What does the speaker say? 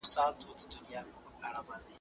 ټولنه بايد د خپلو ليکوالانو اثار ولولي.